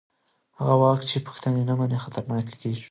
هغه واک چې پوښتنې نه مني خطرناک کېږي